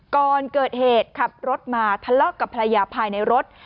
ก่อนเกิดเหตุขับรถมาทะเลาะกับภรรยาภายในรถ